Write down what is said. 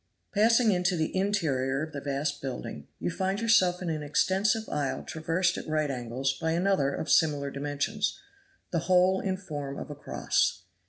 Passing into the interior of the vast building, you find yourself in an extensive aisle traversed at right angles by another of similar dimensions, the whole in form of a cross.